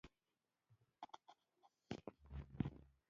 فلم باید له ماشومتوب سره مل وي